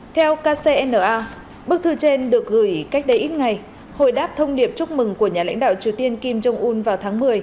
theo kcna bức thư trên được gửi cách đây ít ngày hồi đáp thông điệp chúc mừng của nhà lãnh đạo triều tiên kim jong un vào tháng một mươi